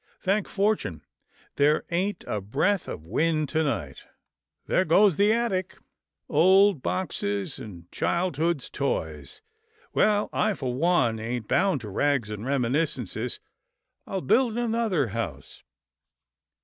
Thank fortune, there ain't a breath of wind to night — There goes the attic — old boxes and childhood's toys! Well I, for one, ain't bound to rags and reminiscences. I'll build another house."